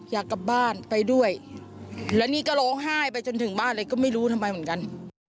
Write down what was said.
อยากกลับบ้านไปด้วยแล้วนี่ก็ร้องไห้ไปจนถึงบ้านเลยก็ไม่รู้ทำไมเหมือนกัน